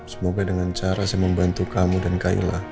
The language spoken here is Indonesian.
semoga dengan cara saya membantu kamu dan kaila